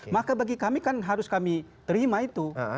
maka bagi kami kan harus kami terima itu